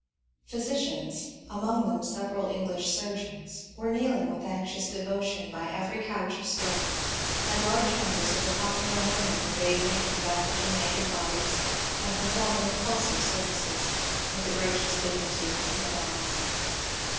Physicians — among them several English surgeons — were kneeling with anxious devotion by every couch of straw, and large numbers of refined young women were bath ing and bandaging naked bodies and performing repulsive services with the gracious dignity of madonnas.